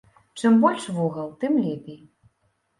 Чым больш вугал, тым лепей.